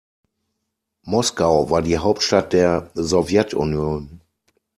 Moskau war die Hauptstadt der Sowjetunion.